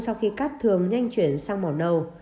sau khi cắt thường nhanh chuyển sang màu nầu